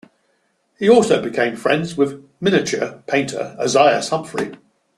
He also became friends with miniature painter Ozias Humphrey.